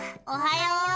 おはよう！